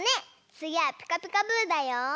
つぎは「ピカピカブ！」だよ。